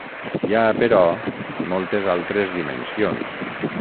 Hi ha, però, moltes altres dimensions.